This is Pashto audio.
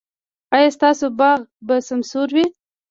ایا ستاسو باغ به سمسور وي؟